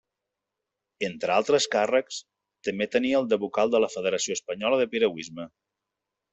Entre altres càrrecs, també tenia el de vocal de la Federació Espanyola de Piragüisme.